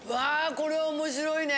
これ面白いね！